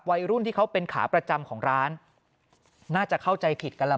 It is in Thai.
วัยรุ่นที่เขาเป็นขาประจำของร้านน่าจะเข้าใจผิดกันล่ะ